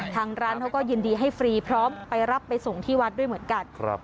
ทางร้านเขาก็ยินดีให้ฟรีพร้อมไปรับไปส่งที่วัดด้วยเหมือนกัน